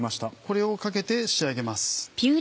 これをかけて仕上げます。